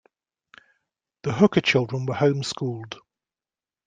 The Hooker children were home-schooled.